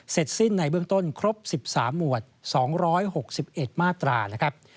เสร็จสิ้นในเบื้องต้นครบ๑๓หมวด๒๖๑มาตรานะครับ